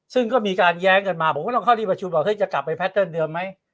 ซึ่งก็มีการแย้งกันมาผมก็ต้องเข้าที่ประชุมว่าเฮ้ยจะกลับไปแพทเติ้ลเดิมไหม